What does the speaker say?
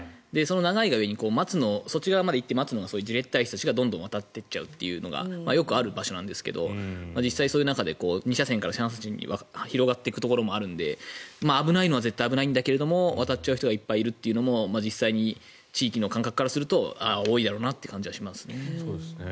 長いが故にそちらまで行って待つのがじれったい人たちがどんどん渡っていくのがよくある場所なんですけど実際そういう中で２車線から３車線に広がっていくところがあるので危ないのは絶対危ないんだけど渡っちゃう人がいるというのは実際に地域の感覚からすると多いだろうなという感じがしますね。